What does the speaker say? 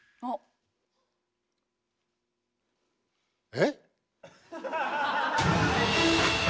えっ⁉